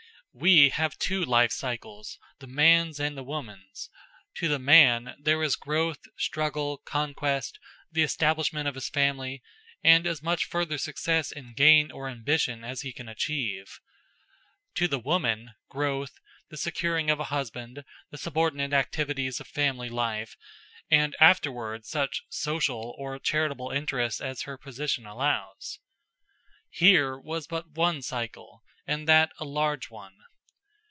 We have two life cycles: the man's and the woman's. To the man there is growth, struggle, conquest, the establishment of his family, and as much further success in gain or ambition as he can achieve. To the woman, growth, the securing of a husband, the subordinate activities of family life, and afterward such "social" or charitable interests as her position allows. Here was but one cycle, and that a large one.